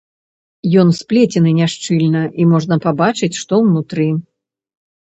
Ён сплецены няшчыльна, і можна пабачыць, што ўнутры.